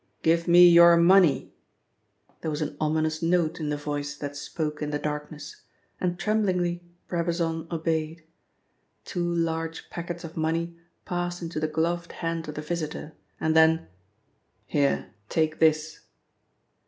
"Give me your money." There was an ominous note in the voice that spoke in the darkness, and tremblingly Brabazon obeyed. Two large packets of money passed into the gloved hand of the visitor, and then: "Here, take this."